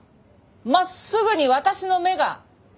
まっすぐに私の目が。